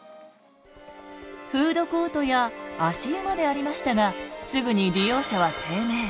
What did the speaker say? フードコートや足湯までありましたがすぐに利用者は低迷。